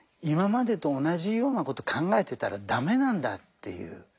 今までと同じようなことを考えていたらダメなんだっていう。